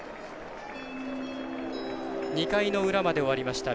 ２回の裏まで終わりました。